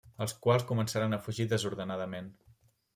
Els quals començaren a fugir desordenadament.